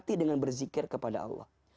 hati dengan berzikir kepada allah